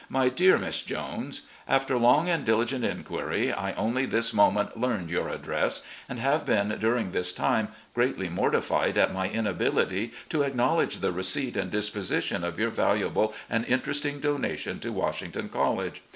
My Dear Miss Jones: After long and diligent inquiry I only this moment learned your address, and have been 336 RECOLLECTIONS OF GENERAL LEE during this time greatly mortified at my inability to acknowledge the receipt and disposition of your valuable and interesting donation to Washington College.